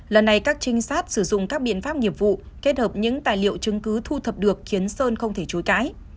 lần này các trinh sát sử dụng các biện pháp nghiệp vụ kết hợp những tài liệu chứng cứ thu thập được khiến sơn không thể chối cãi